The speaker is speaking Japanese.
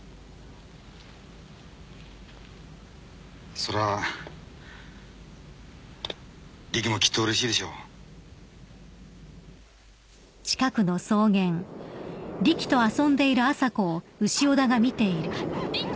それはリキもきっとうれしいでしょうリキ！